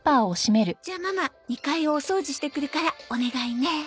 じゃママ２階をお掃除してくるからお願いね。